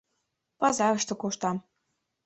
Пазарыште коштам.